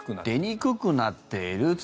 出にくくなっている。